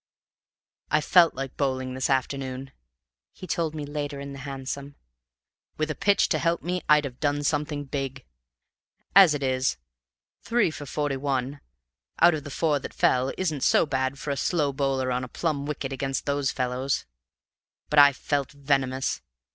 "I felt like bowling this afternoon," he told me later in the hansom. "With a pitch to help me, I'd have done something big; as it is, three for forty one, out of the four that fell, isn't so bad for a slow bowler on a plumb wicket against those fellows. But I felt venomous!